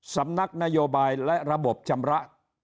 สำนักนโยบายและระบบชำระ